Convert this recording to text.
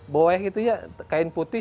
boeh gitu ya kain putih